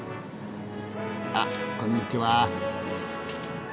あっこんにちは。